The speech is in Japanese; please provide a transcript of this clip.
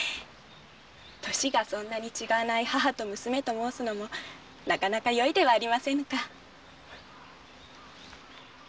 年がそんなに違わない母と娘と申すのもなかなかよいではありませぬか。